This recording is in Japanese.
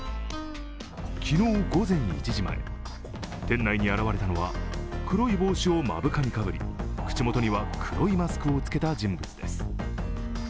今日午前１時前店内に現れたのは黒い帽子を目深にかぶり、口元には黒いマスクを着けた人物です。